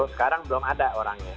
sekarang belum ada orangnya